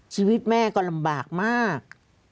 ชีวิตแม่ก็ลำบากมาก